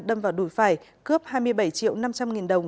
đâm vào đùi phải cướp hai mươi bảy triệu năm trăm linh nghìn đồng